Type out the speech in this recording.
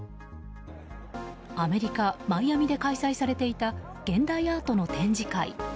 アメリカ・マイアミで開催されていた現代アートの展示会。